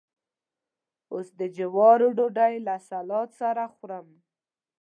اوس د جوارو ډوډۍ له سلاد سره خورم.